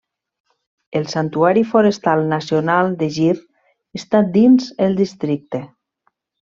El santuari forestal nacional de Gir està dins el districte.